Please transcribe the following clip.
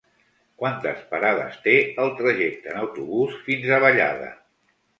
Quantes parades té el trajecte en autobús fins a Vallada?